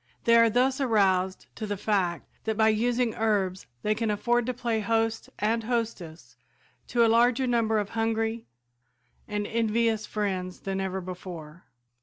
They are thus aroused to the fact that by using herbs they can afford to play host and hostess to a larger number of hungry and envious friends than ever before.